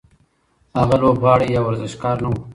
هغه لوبغاړی یا ورزشکار نه و.